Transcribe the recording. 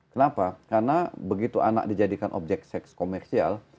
kenapa karena begitu anak dijadikan objek seks komersial